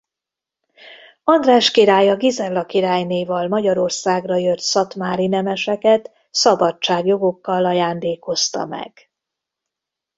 András király a Gizella királynéval Magyarországra jött szatmári nemeseket szabadságjogokkal ajándékozta meg.